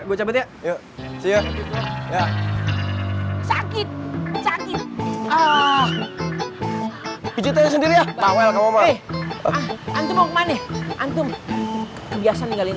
gue coba ya yuk sakit sakit ah pijat aja sendiri ya pak wel kamu mau kemana kebiasaan tinggalin